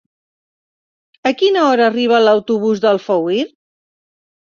A quina hora arriba l'autobús d'Alfauir?